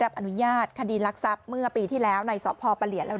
รับอนุญาตคดีลักษับเมื่อปีที่แล้วในสอบพอประเหลี่ยแล้ว